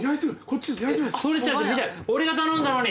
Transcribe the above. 俺が頼んだのに！